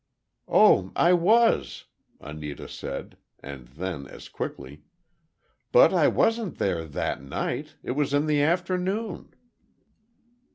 "Oh, I was!" Anita said, and then, as quickly, "But I wasn't there at night—it was in the afternoon."